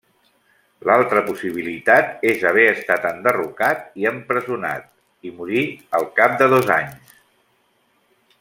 L'altre possibilitat és haver estat enderrocat i empresonat, i morí al cap de dos anys.